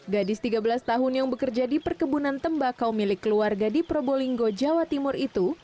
gadis tiga belas tahun yang bekerja di perkebunan tembakau milik keluarga di probolinggo jawa timur itu